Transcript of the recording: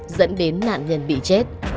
dẫn đến nạn nhân bị chết